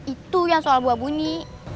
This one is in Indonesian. itu yang soal buah bunyi